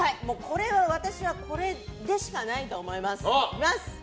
私はこれでしかないと思います。